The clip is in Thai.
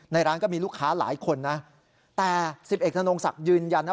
ร้านก็มีลูกค้าหลายคนนะแต่สิบเอกธนงศักดิ์ยืนยันนะ